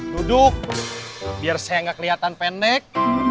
duduk biar saya nggak kelihatan pendek